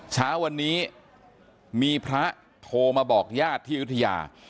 เช้าวันนี้มีพระโทรมาบอกญาติที่อยุธยา